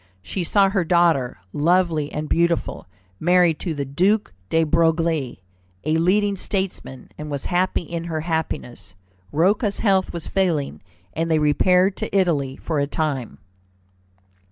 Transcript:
She saw her daughter, lovely and beautiful, married to the Duc de Broglie, a leading statesman, and was happy in her happiness. Rocca's health was failing, and they repaired to Italy for a time.